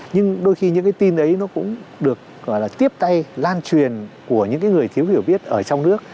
nhưng đôi khi những tin ấy cũng được tiếp tay lan truyền của những người thiếu hiểu biết ở trong nước